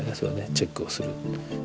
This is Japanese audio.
チェックをするって。